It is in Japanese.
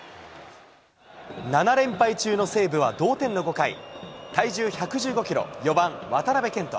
７連敗中の西武は同点の５回、体重１１５キロ、４番渡部健人。